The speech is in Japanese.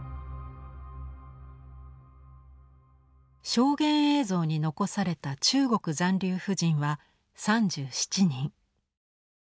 証言映像に残された中国残留婦人は３７人。